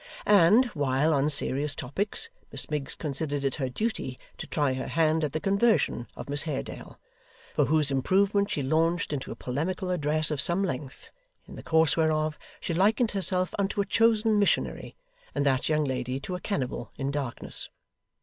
And, while on serious topics, Miss Miggs considered it her duty to try her hand at the conversion of Miss Haredale; for whose improvement she launched into a polemical address of some length, in the course whereof, she likened herself unto a chosen missionary, and that young lady to a cannibal in darkness.